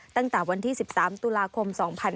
ตั้งแต่วันที่๑๓ตุลาคม๒๕๕๙